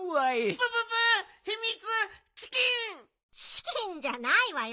チキンじゃないわよ。